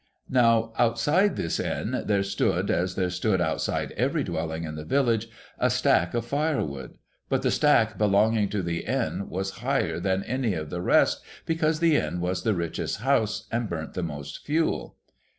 Now, outside this Inn, there stood, as there stood outside every dwelling in the village, a stack of fire wood ; but the stack belonging to the Inn was higher than any of the rest, because the Inn was the richest house, and burnt the most fuel.